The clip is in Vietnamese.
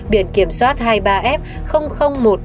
biển kiểm soát hai mươi ba f một xx